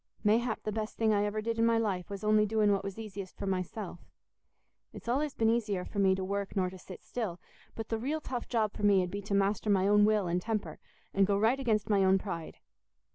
Mayhap the best thing I ever did in my life was only doing what was easiest for myself. It's allays been easier for me to work nor to sit still, but the real tough job for me 'ud be to master my own will and temper and go right against my own pride.